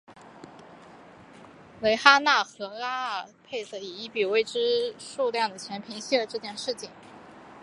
蕾哈娜和拉沙佩勒以一笔未知数量的钱平息了这件事情。